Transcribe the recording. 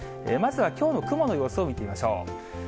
まずはきょうの雲の様子を見てみましょう。